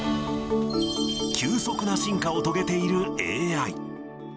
急速な進化を遂げているＡＩ。